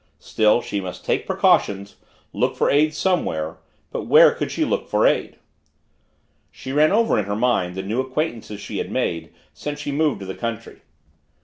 Still, she must take precautions; look for aid somewhere. But where could she look for aid? She ran over in her mind the new acquaintances she had made since she moved to the country.